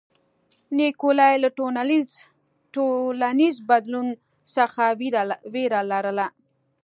نیکولای له ټولنیز بدلون څخه وېره لرله.